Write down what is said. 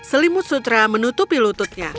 selimut sutra menutupi lututnya